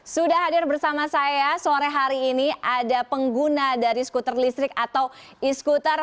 sudah hadir bersama saya sore hari ini ada pengguna dari skuter listrik atau e scooter